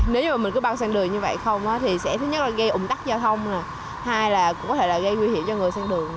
nếu như mình cứ băng sang đường như vậy không thì sẽ thứ nhất là gây ủng tắc giao thông hai là cũng có thể là gây nguy hiểm cho người sang đường